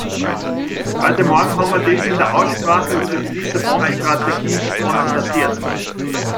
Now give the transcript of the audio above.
Heute Morgen haben wir dies in der Aussprache über die Lissabon-Strategie konstatiert.